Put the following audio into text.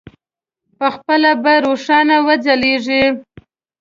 پخپله به روښانه وځلېږي.